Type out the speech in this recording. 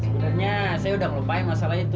sebenarnya saya sudah melupakan masalah itu